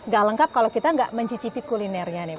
gak lengkap kalau kita nggak mencicipi kulinernya nih